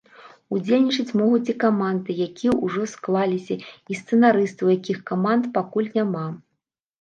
Удзельнічаць могуць і каманды, якія ўжо склаліся, і сцэнарысты, у якіх каманд пакуль няма.